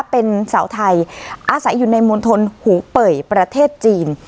เป็นสาวไทยอาศัยอยู่ในมณฑลหูเป่ยประเทศจีน